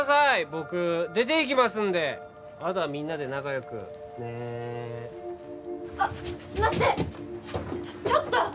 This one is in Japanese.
僕出ていきますんであとはみんなで仲よくねあっ待ってちょっと！